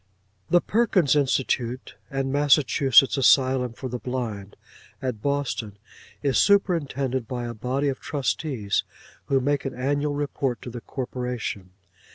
The Perkins Institution and Massachusetts Asylum for the Blind, at Boston, is superintended by a body of trustees who make an annual report to the corporation.